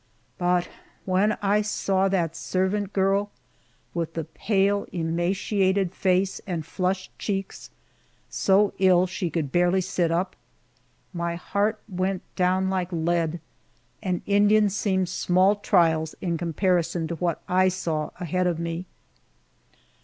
But when I saw that servant girl with the pale, emaciated face and flushed cheeks, so ill she could barely sit up, my heart went down like lead and Indians seemed small trials in comparison to what I saw ahead of me.